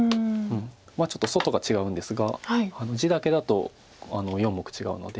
ちょっと外が違うんですが地だけだと４目違うので。